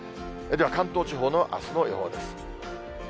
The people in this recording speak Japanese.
では、関東地方のあすの予報です。